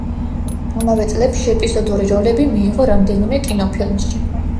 ამავე წლებში ეპიზოდური როლები მიიღო რამდენიმე კინოფილმში.